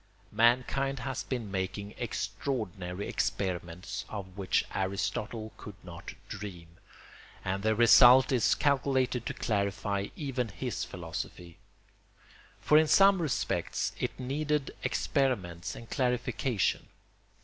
Mankind has been making extraordinary experiments of which Aristotle could not dream; and their result is calculated to clarify even his philosophy. For in some respects it needed experiments and clarification.